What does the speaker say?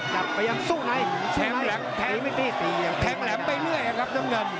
จัดไปยังสู้ในสู้ในสู้ในตีไม่ตีตียังตียังแถงแหลมไปเรื่อยอะครับน้องเงิน